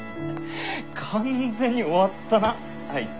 完全に終わったなあいつ。